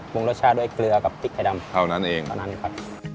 งรสชาติด้วยเกลือกับพริกไทยดำเท่านั้นเองเท่านั้นครับ